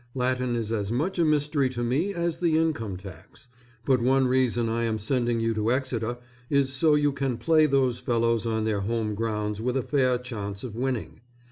Latin is as much a mystery to me as the income tax; but one reason I am sending you to Exeter, is so you can play those fellows on their home grounds with a fair chance of winning.